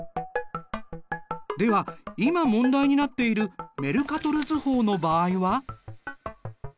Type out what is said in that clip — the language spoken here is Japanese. では今問題になっているメルカトル図法の場合は？